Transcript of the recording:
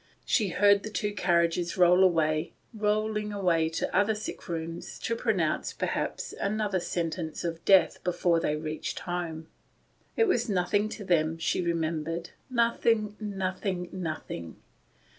She heard the two carriages roll away — rolling away to other sick rooms, to pronounce, perhaps, another sentence of death before they reached home. It was nothing to them, she remembered; nothing, nothing, nothing.